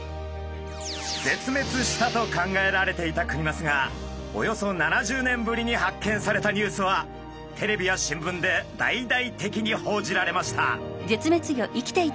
絶滅したと考えられていたクニマスがおよそ７０年ぶりに発見されたニュースはテレビや新聞で大々的に報じられました。